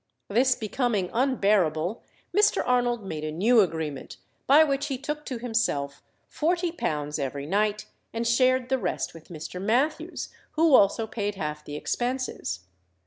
This becoming unbearable, Mr. Arnold made a new agreement, by which he took to himself £40 every night, and shared the rest with Mr. Mathews, who also paid half the expenses.